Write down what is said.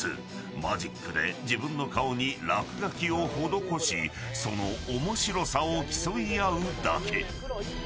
マジックで自分の顔に落書きを施しその面白さを競い合うだけ。